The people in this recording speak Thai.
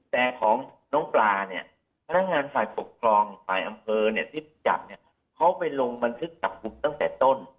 แต่ของน้องปลาเนี่ยพนักงานฝ่ายปกครองฝ่ายอำเภอเนี่ยที่จับเนี่ยเขาไปลงบันทึกจับกลุ่มตั้งแต่ต้น